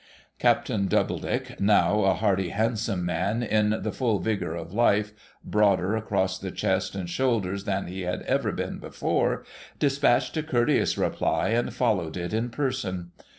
Captain Doubledick, now a hardy, handsome man in the full vigour of life, broader across the chest and shoulders than he had even been before, despatched a courteous reply, and followed it in person.